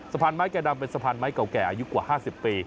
สะพานไม้แก่ดำเป็นสะพานไม้เก่าแก่อายุกว่า๕๐ปี